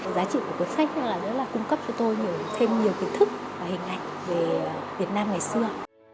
giá trị của cuốn sách là nó là cung cấp cho tôi nhiều thêm nhiều kiến thức và hình ảnh về việt nam ngày xưa